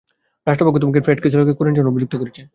রাষ্টপক্ষ তোমাকে ফ্রেড কেসলিকে খুনের জন্য অভিযুক্ত করেছে।